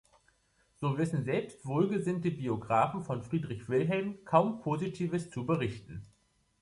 So wissen selbst wohlgesinnte Biographen von Friedrich Wilhelm kaum Positives zu berichten.